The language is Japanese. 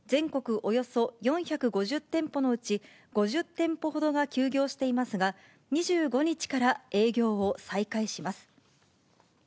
およそ４５０店舗のうち、５０店舗ほどが休業していますが、２５日から営業を再開します。